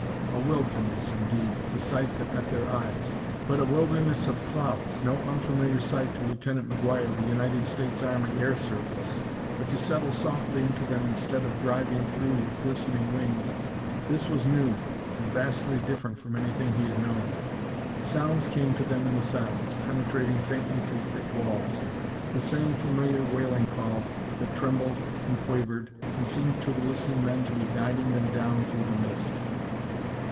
A wilderness, indeed, the sight that met their eyes, but a wilderness of clouds no unfamiliar sight to Lieutenant McGuire of the United States Army air service. But to settle softly into them instead of driving through with glistening wings this was new and vastly different from anything he had known. Sounds came to them in the silence, penetrating faintly through thick walls the same familiar wailing call that trembled and quavered and seemed to the listening men to be guiding them down through the mist.